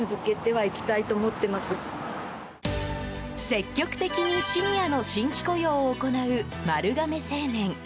積極的に、シニアの新規雇用を行う丸亀製麺。